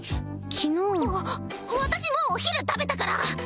昨日私もうお昼食べたから！